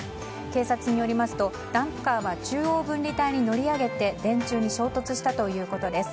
警察によりますとダンプカーは中央分離帯に乗り上げて電柱に衝突したということです。